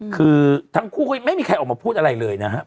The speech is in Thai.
คือทั้งคู่ก็ไม่มีใครออกมาพูดอะไรเลยนะครับ